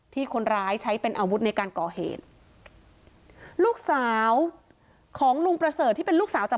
ที่คนร้ายใช้เป็นอาวุธในการก่อเหตุลูกสาวของลุงประเสริฐที่เป็นลูกสาวจาก